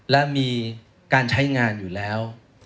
และมีการใช้งานอยู่แล้ว